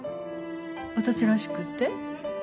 「私らしく」って？